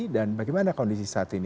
dan bagaimana kondisi saat ini